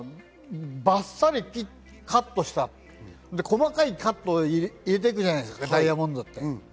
ばっさりカットした、細かいカットを入れて行くじゃないですか、ダイヤモンドって。